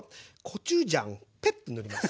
コチュジャンペッ！って塗ります。